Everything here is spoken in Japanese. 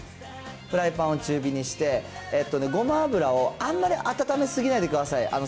フライパンを中火にして、ごま油を、あんまり温め過ぎないでください。